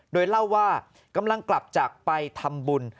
โดยเล่าว่ากำลังกลับจากไปทำบุญ